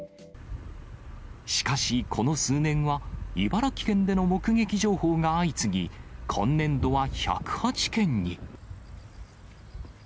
しかし、この数年は、茨城県での目撃情報が相次ぎ、今年度は１０８件に。